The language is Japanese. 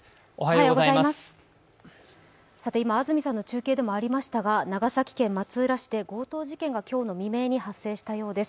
今、安住さんの中継でもありましたが、長崎県松浦市で強盗事件が今日の未明に発生したようです。